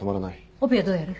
オペはどうやる？